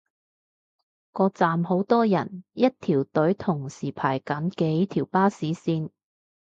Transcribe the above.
個站好多人，一條隊同時排緊幾條巴士線